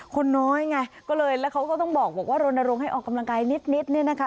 คนน้อยไงก็เลยแล้วเขาก็ต้องบอกว่ารณรงค์ให้ออกกำลังกายนิดเนี่ยนะคะ